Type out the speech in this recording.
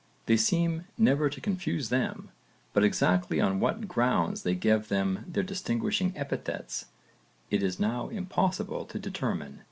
They seem never to confuse them, but exactly on what grounds they gave them their distinguishing epithets it is now impossible to determine.